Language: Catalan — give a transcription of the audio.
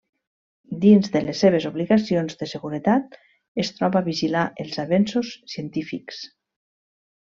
Dins de les seves obligacions de seguretat, es troba vigilar els avenços científics.